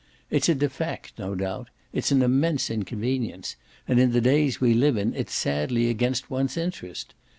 It's a defect, no doubt; it's an immense inconvenience, and in the days we live in it's sadly against one's interest.